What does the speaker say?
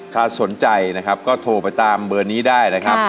ถ้าสนใจนะครับก็โทรไปตามเบอร์นี้ได้นะครับ